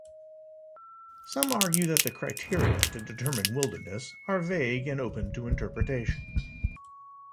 Some argue that the criteria to determine wilderness are vague and open to interpretation.